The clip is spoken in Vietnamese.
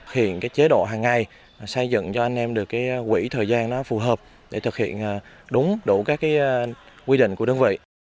khiến chế độ hàng ngày xây dựng cho anh em được quỹ thời gian phù hợp để thực hiện đúng đủ các quy định của đơn vị